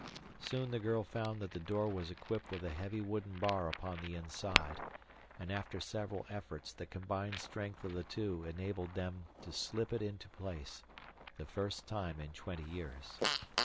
Soon the girl found that the door was equipped with a heavy wooden bar upon the inside, and after several efforts the combined strength of the two enabled them to slip it into place, the first time in twenty years.